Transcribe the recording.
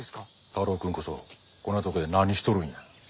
太郎くんこそこんなとこで何しとるんや？